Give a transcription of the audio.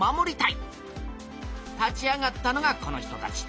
立ち上がったのがこの人たち。